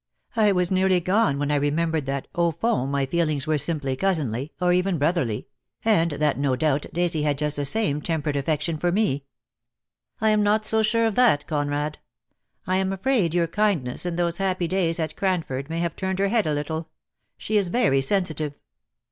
I was nearly gone when I remembered that au fond my feelings were simply cousinly, or even brotherly — and that no doubt Daisy had just the same temperate affection for me." "I am not so sure of that, Conrad. I am afraid your kindness in those happy days at Cranford may have turned her head a little. She is very sensitive."